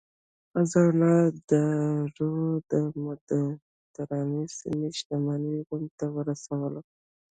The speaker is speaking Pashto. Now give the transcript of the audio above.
خزانه دارو د مدترانې سیمې شتمني روم ته ورسوله.